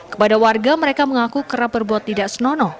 kepada warga mereka mengaku kerap berbuat tidak senonoh